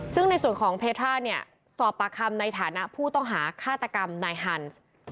ซึ่งในส่วนของเพทราเนี่ยสอบปากคำในฐานะผู้ต้องหาฆาตกรรมนายฮันส์